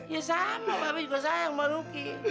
ya sama mbak bebe juga sayang sama luki